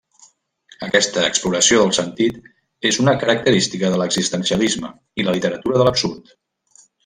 Aquesta exploració del sentit és una característica de l'existencialisme i la literatura de l'absurd.